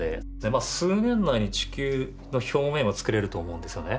まあ数年内に地球の表面は作れると思うんですよね。